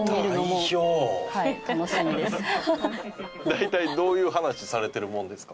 大体どういう話されてるもんですか？